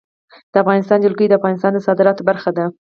د افغانستان جلکو د افغانستان د صادراتو برخه ده.